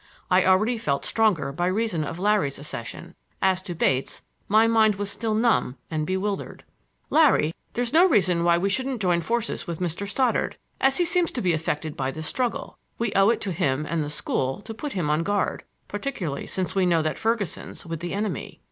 I already felt stronger by reason of Larry's accession; as to Bates, my mind was still numb and bewildered. "Larry, there's no reason why we shouldn't join forces with Mr. Stoddard, as he seems to be affected by this struggle. We owe it to him and the school to put him on guard, particularly since we know that Ferguson's with the enemy."